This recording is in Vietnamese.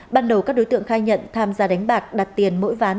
ban đầu các đối tượng khai nhận tham gia đánh bạc đặt tiền mỗi ván